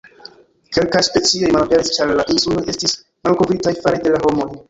Kelkaj specioj malaperis ĉar la insuloj estis malkovritaj fare de la homoj.